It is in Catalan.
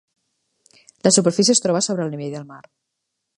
La superfície es troba sobre el nivell del mar.